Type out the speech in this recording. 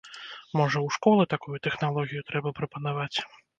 Можа, у школы такую тэхналогію трэба прапанаваць?